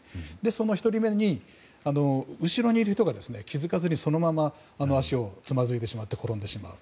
その１人目に後ろにいる人が気づかずにそのまま足をつまずいてしまって転んでしまう。